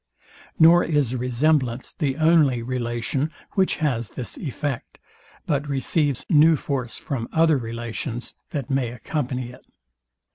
Nor is resemblance the only relation, which has this effect, but receives new force from other relations, that may accompany it.